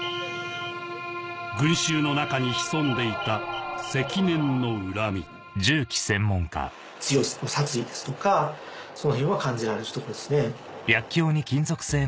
群衆の中に潜んでいた積年の恨み強い殺意ですとかその辺は感じられるところですね。